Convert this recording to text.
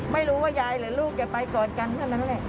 ไม่รู้ว่ายายหรือลูกจะไปกอดกันเท่านั้นแหละ